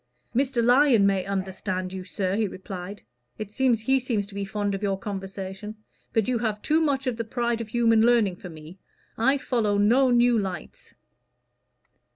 "Mr. Lyon may understand you, sir," he replied. "He seems to be fond of your conversation. But you have too much of the pride of human learning for me. I follow no new lights."